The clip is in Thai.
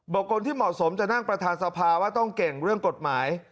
คนที่เหมาะสมจะนั่งประธานสภาว่าต้องเก่งเรื่องกฎหมาย